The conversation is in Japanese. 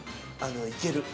いける。